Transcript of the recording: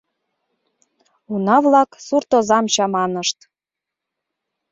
Уна-влак суртозам чаманышт.